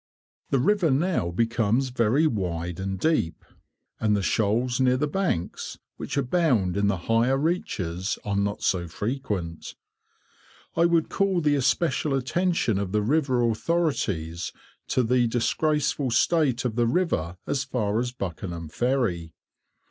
The river now becomes very wide and deep, and the shoals near the banks, which abound in the higher reaches, are not so frequent. I would call the especial attention of the river authorities to the disgraceful state of the river as far as Buckenham Ferry.